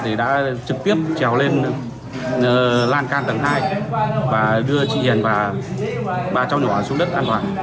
thì đã trực tiếp trèo lên lan can tầng hai và đưa chị hiền và ba cháu nhỏ xuống đất an toàn